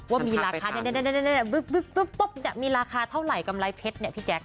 ก็มีราคาในนนนนนนีแปบมีราคาเท่าไหร่กำไรเพชรพี่แจ๊ก